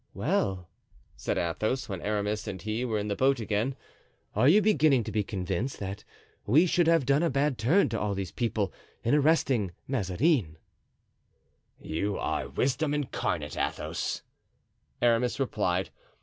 "Well," said Athos, when Aramis and he were in the boat again, "are you beginning to be convinced that we should have done a bad turn to all these people in arresting Mazarin?" "You are wisdom incarnate, Athos," Aramis replied.